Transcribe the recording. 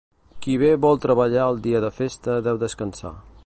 Qui bé vol treballar el dia de festa deu descansar.